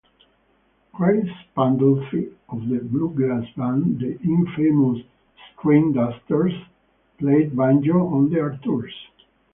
Chris Pandolfi, of the bluegrass band the Infamous Stringdusters, played banjo on their tours.